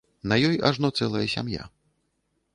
На ёй ажно цэлая сям'я.